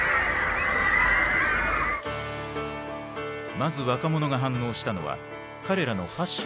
まず若者が反応したのは彼らのファッションだった。